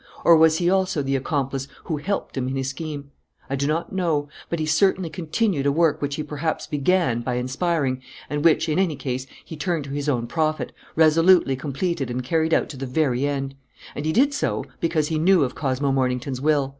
Or was he also the accomplice who helped him in his scheme? I do not know. But he certainly continued a work which he perhaps began by inspiring and which, in any case, he turned to his own profit, resolutely completed and carried out to the very end. And he did so because he knew of Cosmo Mornington's will.